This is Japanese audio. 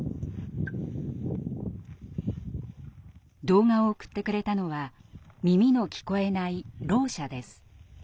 動画を送ってくれたのは耳の聞こえない「ろう者」です。